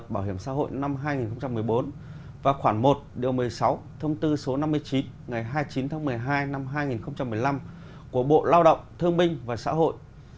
bảo hiểm xã hội năm hai nghìn một mươi bốn và khoảng một điều một mươi sáu thông tư số năm mươi chín ngày hai mươi chín tháng một mươi hai năm hai nghìn một mươi năm của bộ lao động thương minh và xã hội